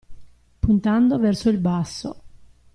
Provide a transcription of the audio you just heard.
Puntando verso il basso.